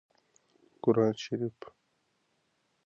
قران شريف